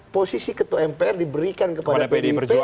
posisi ketua mpr diberikan kepada pdip